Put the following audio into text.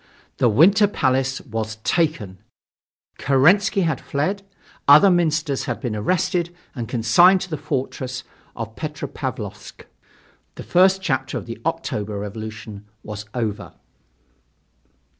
The Winter Palace was taken; Kerensky had fled; other ministers had been arrested and consigned to the fortress of Petropavlovsk. The first chapter of the October revolution was over.